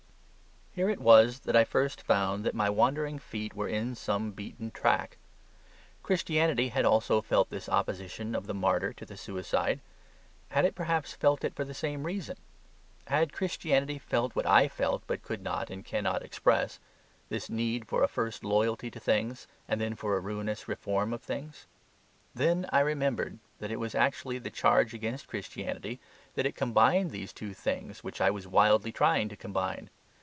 Here it was that I first found that my wandering feet were in some beaten track. Christianity had also felt this opposition of the martyr to the suicide: had it perhaps felt it for the same reason? Had Christianity felt what I felt, but could not (and cannot) express this need for a first loyalty to things, and then for a ruinous reform of things? Then I remembered that it was actually the charge against Christianity that it combined these two things which I was wildly trying to combine.